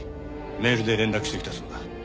メールで連絡してきたそうだ。